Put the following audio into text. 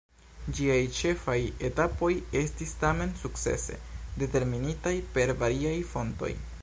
Ĝiaj ĉefaj etapoj estis tamen sukcese determinitaj per variaj fontoj.